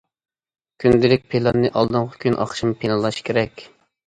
كۈندىلىك پىلاننى ئالدىنقى كۈنى ئاخشىمى پىلانلاش كېرەك.